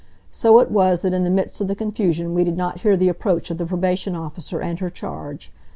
So it was that in the midst of the confusion we did not hear the approach of the probation officer and her charge.